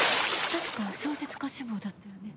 確か小説家志望だったよね？